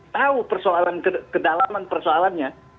tahu persoalan kedalaman persoalannya